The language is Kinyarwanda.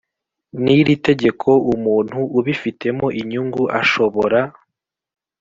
N iri tegeko umuntu ubifitemo inyungu ashobora